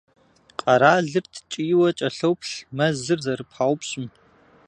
Къэралыр ткӀийуэ кӀэлъоплъ мэзыр зэрыпаупщӀым.